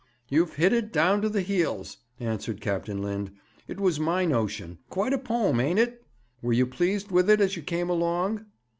'You've hit it down to the heels,' answered Captain Lind. 'It was my notion. Quite a pome, ain't it? Were you pleased with it as you came along?'